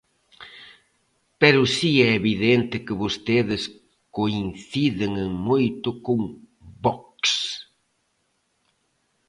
Pero si é evidente que vostedes coinciden en moito con Vox.